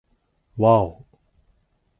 わぁお